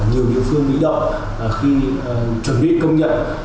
nhiều địa phương bị động khi chuẩn bị công nhận